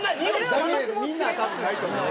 みんなは多分ないと思う。